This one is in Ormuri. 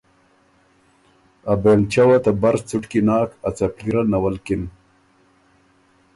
ا بېنلچۀ وه ته بر څُټکی ناک، ا څپلی ره نَوَلکِن